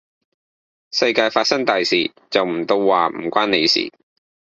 世界發生大事，就唔到話唔關你事